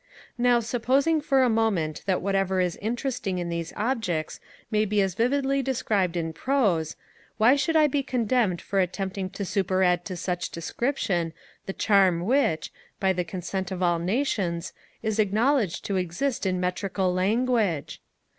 Now, supposing for a moment that whatever is interesting in these objects may be as vividly described in prose, why should I be condemned for attempting to superadd to such description the charm which, by the consent of all nations, is acknowledged to exist in metrical language?